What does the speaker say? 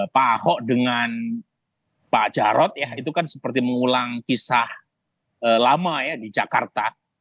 pak ahok dengan pak jarod ya itu kan seperti mengulang kisah lama ya di jakarta